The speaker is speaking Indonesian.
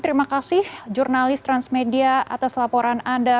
terima kasih jurnalis transmedia atas laporan anda